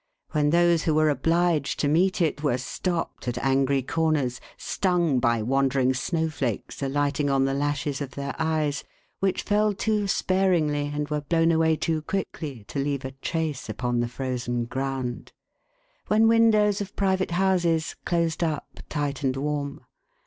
When those who were obliged to meet it, were stopped at angrv cor ners, stung by wandering snow flakes alighting on the lashes of their eyes, — which fell too and were blown away too quickly, to leave a frozen ground. When windows of private houses closed up tight and warm.